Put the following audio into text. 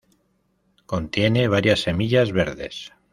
Contiene varias semillas verdes.